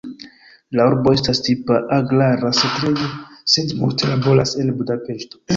La urbo estas tipa agrara setlejo, sed multe laboras en Budapeŝto.